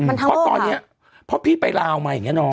มันทั้งโลกค่ะเพราะตอนเนี้ยเพราะพี่ไปลาออกมาอย่างเงี้ยน้อง